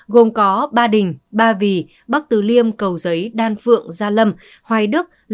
gồm có ba đình ba vì bắc từ liêm cầu giấy đan phượng gia lâm hoài đức